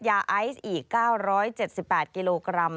ยาไอซ์อีก๙๗๘กิโลกรัม